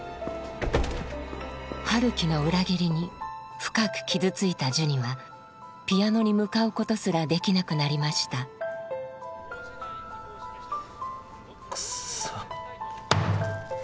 陽樹の裏切りに深く傷ついたジュニはピアノに向かうことすらできなくなりましたくそっ。